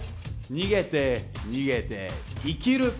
逃げて逃げて生きる！